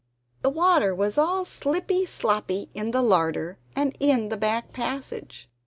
The water was all slippy sloppy in the larder and in the back passage.